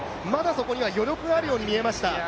そこには余力があるように見えました。